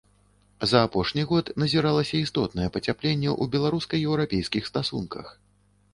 За апошні год назіралася істотнае пацяпленне ў беларуска-еўрапейскіх стасунках.